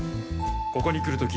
ここに来るとき